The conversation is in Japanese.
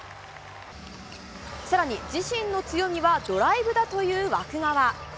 さらに、自身の強みはドライブだという湧川。